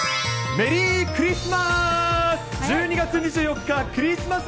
メリークリスマス！